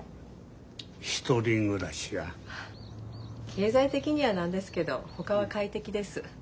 経済的には何ですけどほかは快適です。